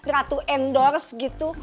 ratu endorse gitu